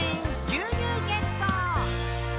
「牛乳ゲット！」